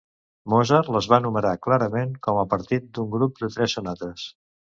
Mozart les va numerar clarament com a part d'un grup de tres sonates.